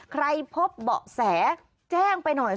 พบเบาะแสแจ้งไปหน่อย